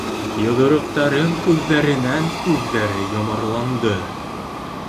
Йоҙроҡтарым үҙҙәренән-үҙҙәре йомарланды.